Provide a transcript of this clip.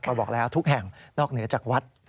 บอกแล้วทุกแห่งนอกเหนือจากวัด